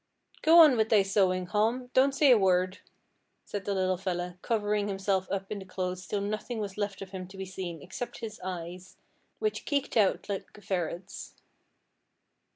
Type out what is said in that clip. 'Go on with thy sewing, Hom; don't say a word,' said the little fella, covering himself up in the clothes till nothing was left of him to be seen except his eyes, which keeked out like a ferret's.